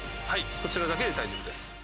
はいこちらだけで大丈夫です。